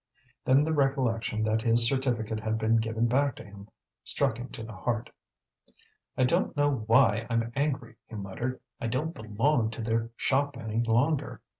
Then the recollection that his certificate had been given back to him struck him to the heart. "I don't know why I'm angry," he muttered. "I don't belong to their shop any longer.